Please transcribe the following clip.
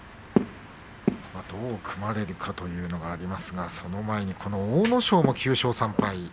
どう組まれるかというのがありますがその前に阿武咲も９勝３敗。